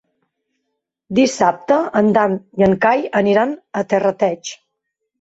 Dissabte en Dan i en Cai aniran a Terrateig.